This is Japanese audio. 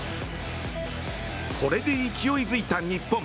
これで勢いづいた日本。